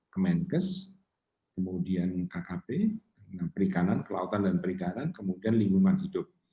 kemenkes kemudian kkp perikanan kelautan dan perikanan kemudian lingkungan hidup